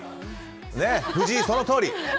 藤井、そのとおり！